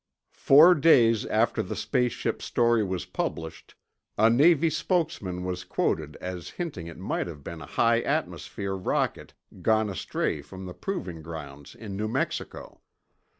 Four days after the space ship story was published, a Navy spokesman was quoted as hinting it might have been a high atmosphere rocket gone astray from the proving grounds in New Mexico.